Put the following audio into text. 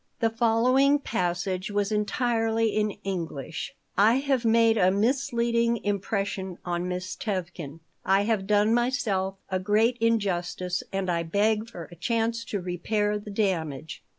The following passage was entirely in English: "I have made a misleading impression on Miss Tevkin. I have done myself a great injustice and I beg for a chance to repair the damage.